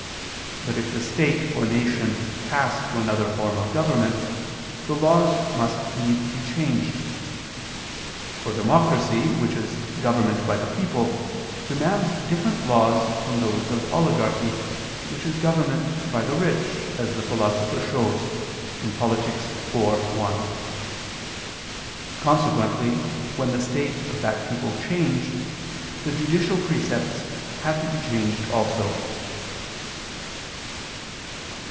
But if the state or nation pass to another form of government, the laws must needs be changed. For democracy, which is government by the people, demands different laws from those of oligarchy, which is government by the rich, as the Philosopher shows (Polit. iv, 1). Consequently when the state of that people changed, the judicial precepts had to be changed also.